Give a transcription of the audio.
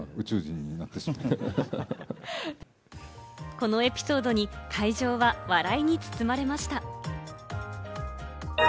このエピソードに会場は笑いに包まれました。